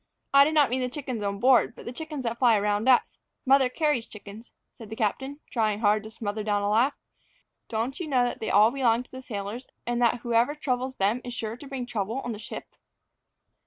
"I do not mean the chickens on board, but the chickens that fly around us Mother Cary's chickens," said the captain, trying hard to smother down a laugh. "Don't you know that they all belong to the sailors; and that whoever troubles them is sure to bring trouble on the ship?"